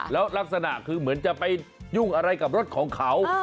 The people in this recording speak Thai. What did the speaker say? แล้วลักษณะคือเหมือนจะไปยุ่งอะไรกับรถของเขา